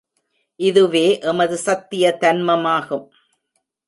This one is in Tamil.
இதுவே எமது சத்திய தன்மமாகும்.